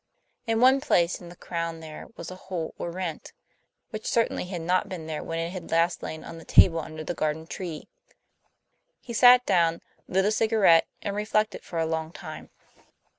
In one place in the crown there was a hole or rent, which certainly had not been there when it had last lain on the table under the garden tree. He sat down, lit a cigarette, and reflected for a long time.